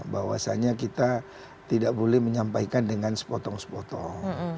bahwasannya kita tidak boleh menyampaikan dengan sepotong sepotong